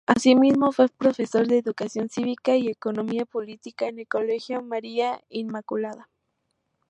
Asimismo, fue profesor de Educación Cívica y Economía Política en el Colegio María Inmaculada.